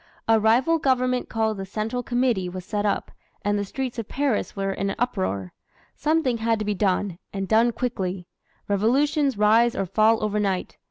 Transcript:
A rival government called the Central Committee was set up, and the streets of Paris were in uproar. Something had to be done, and done quickly. Revolutions rise or fall overnight.